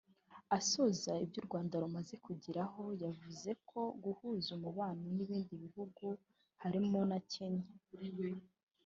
Asoza ibyo u Rwanda rumaze kugeraho yavuzeko guhuza umubano n’ibindi bihugu harimo na Kenya